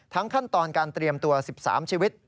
ขั้นตอนการเตรียมตัว๑๓ชีวิต